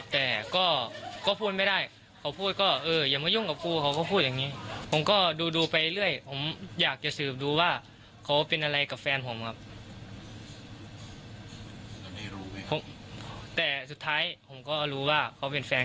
เพราะคุณแกฟินแต่ว่าขอคบซ้อน